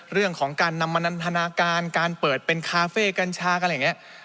เรื่องของการนำมนันทนาการการเปิดเป็นคาเฟ่กัญชากันอะไรอย่างนี้